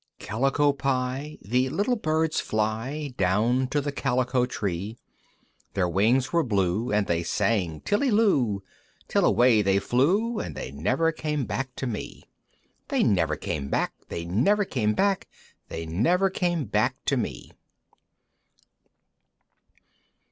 I. Calico Pie, The Little Birds fly Down to the calico tree, Their wings were blue, And they sang "Tilly loo!" Till away they flew, And they never came back to me! They never came back! They never came back! They never came back to me!